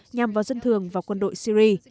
nhằm vào dân thường và quân đội syria